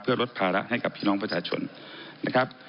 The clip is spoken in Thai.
เพื่อลดภาระให้กับพี่น้องประชาชนนะครับ